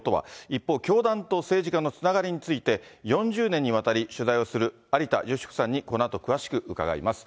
一方、教団と政治家のつながりについて、４０年にわたり取材をする有田芳生さんにこのあと詳しく伺います。